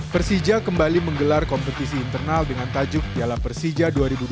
persija kembali menggelar kompetisi internal dengan tajuk piala persija dua ribu dua puluh